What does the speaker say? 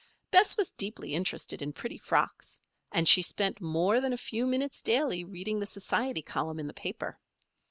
Bess was deeply interested in pretty frocks, and she spent more than a few minutes daily reading the society column in the paper.